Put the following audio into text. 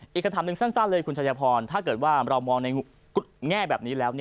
อีกคำถามหนึ่งสั้นเลยคุณชายพรถ้าเกิดว่าเรามองในแง่แบบนี้แล้ว